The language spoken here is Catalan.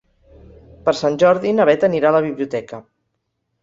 Per Sant Jordi na Bet anirà a la biblioteca.